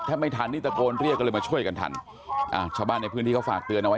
ไม่ทันนี่ตะโกนเรียกก็เลยมาช่วยกันทันอ่าชาวบ้านในพื้นที่เขาฝากเตือนเอาไว้